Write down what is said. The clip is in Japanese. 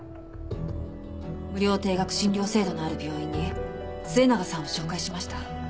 無料低額診療制度のある病院に末永さんを紹介しました。